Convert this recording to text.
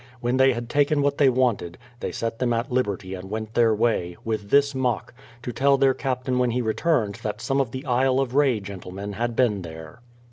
When they had taken what they wanted, they set them at liberty and went their way, with this mock: to tell their captain when he returned that some of the Isle of Rey gentlemen had been there.